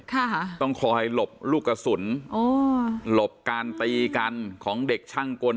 ค่ะต้องคอยหลบลูกกระสุนอ๋อหลบการตีกันของเด็กช่างกล